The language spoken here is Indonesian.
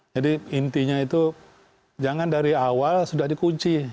jadi intinya itu jangan dari awal sudah dikunci